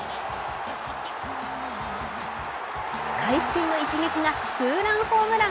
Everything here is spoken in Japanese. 改心の一撃がツーランホームラン。